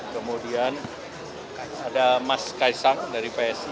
kemudian ada mas kaisar dan kemudian ada pak yusril